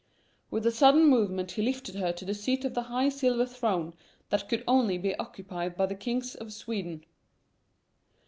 With a sudden movement he lifted her to the seat of the high silver throne that could only be occupied by the kings of Sweden.